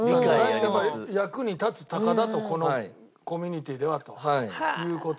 やっぱり役に立つ鷹だとこのコミュニティーではという事で。